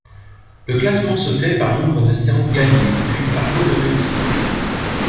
Le classement se fait par nombre de séances gagnées, puis par taux de réussite.